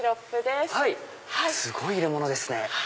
すごい入れ物ですね。